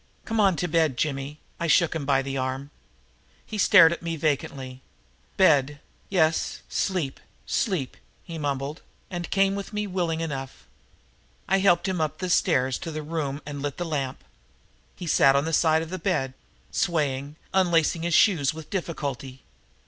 "Come on to bed, Jimmy," I shook him by the arm. He stared at me vacantly. "Bed yes sleep! sleep!" he mumbled, and came with me willingly enough. I helped him up the stairs to the room and lit the lamp. He sat on the side of the bed, swaying, unlacing his shoes with difficulty.